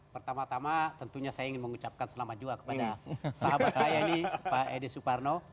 pertama tama tentunya saya ingin mengucapkan selamat juga kepada sahabat saya ini pak edi suparno